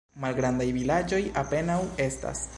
Malgrandaj vilaĝoj apenaŭ estas.